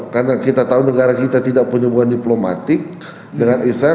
karena kita tahu negara kita tidak punya buah diplomatik dengan israel